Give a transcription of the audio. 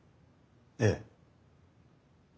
ええ。